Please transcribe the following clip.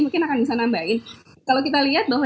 mungkin akan bisa nambahin kalau kita lihat bahwa